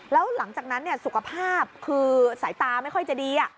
แล้วหลังจากนั้นสุขภาพคือสายตาไม่ค่อยจะดี